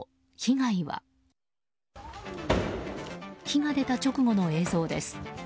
火が出た直後の映像です。